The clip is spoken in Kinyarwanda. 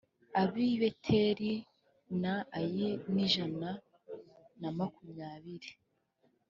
ab i beteli na ayi ni ijana na makumyabiri